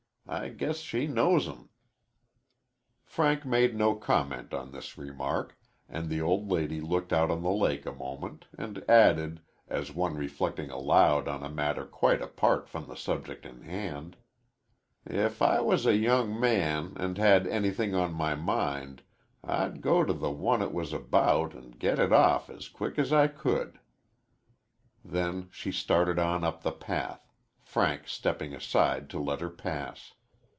I guess she knows 'em." Frank made no comment on this remark, and the old lady looked out on the lake a moment and added, as one reflecting aloud on a matter quite apart from the subject in hand: "If I was a young man and had anything on my mind, I'd go to the one it was about and get it off as quick as I could." Then she started on up the path, Frank stepping aside to let her pass.